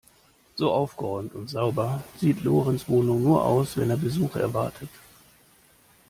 So aufgeräumt und sauber sieht Lorenz Wohnung nur aus, wenn er Besuch erwartet.